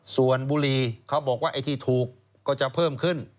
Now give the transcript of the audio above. ส่วนบุรีเขาบอกว่าไอ้ที่ถูกก็จะเพิ่มขึ้น